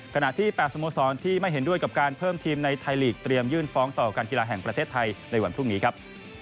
ขณะที่๘สโมสรที่ไม่เห็นด้วยกับการเพิ่มทีมในไทยลีกเตรียมยื่นฟ้องต่อการกีฬาแห่งประเทศไทยในวันพรุ่งนี้ครับ